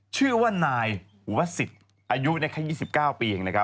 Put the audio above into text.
ชื่อว่านายวศิษย์อายุแค่๒๙ปีเอง